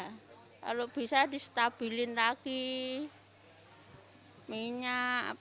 kalau bisa distabilin lagi minyak